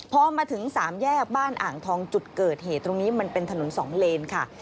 พอมาถึงสามแยกบ้านอ่างทองจุดเกิดเหตุตรงนี้มันเป็นถนนสองเลนค่ะ